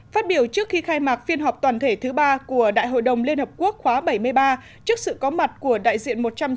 phát biểu trước khi khai mạc phiên họp toàn thể thứ ba của đại hội đồng liên hợp quốc khóa bảy mươi ba trước sự có mặt của đại diện một trăm chín mươi